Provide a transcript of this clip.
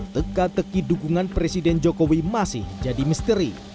teka teki dukungan presiden jokowi masih jadi misteri